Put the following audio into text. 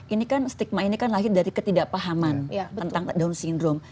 ini kan stigma ini kan lahir dari ketidakpahaman tentang down syndrome